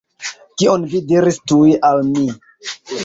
Kion vi diris tuj al mi?